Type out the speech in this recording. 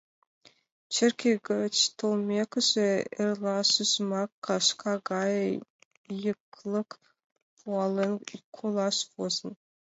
Черке гыч толмекыже, эрлашыжымак кашка гае йыклык пуалын, колаш возын.